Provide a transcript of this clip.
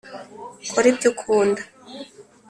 kora ibyo ukunda.